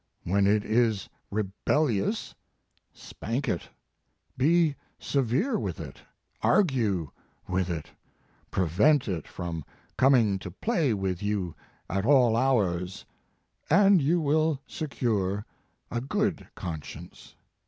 When it is rebellious, spank it be se vere with it, airgue with it, prevent it from coming to play with you at all hours and you will secure a good conscience.